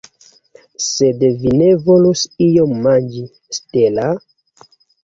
Sed vi ne volus iom manĝi, Stella?